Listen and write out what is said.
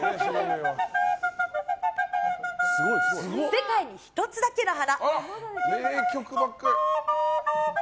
「世界に一つだけの花」。